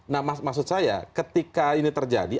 nah maksud saya ketika ini terjadi